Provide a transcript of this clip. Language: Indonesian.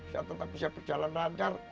saya tetap bisa berjalan lancar